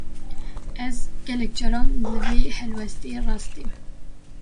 Ez, gelek caran li vê helwestê rast têm